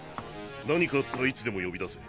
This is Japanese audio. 何かあったらいつでも呼び出せ。